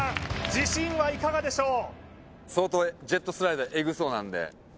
自信はいかがでしょう？